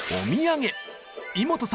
イモトさん